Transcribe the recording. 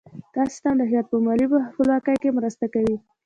دا سیستم د هیواد په مالي خپلواکۍ کې مرسته کوي.